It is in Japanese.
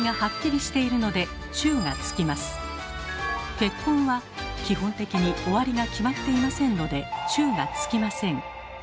「結婚」は基本的に終わりが決まっていませんので「中」がつきません。